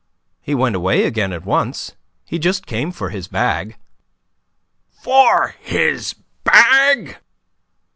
"He went away again at once. He just came for his bag." "For his bag!"